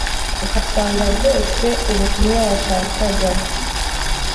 uhasanga rwose ubutumwa washakaga